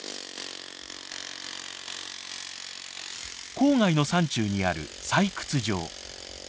郊外の山中にある採掘場。